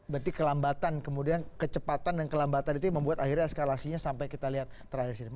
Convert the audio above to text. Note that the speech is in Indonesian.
berarti kecepatan dan kelembatan itu membuat akhirnya eskalasinya sampai kita lihat terakhir sini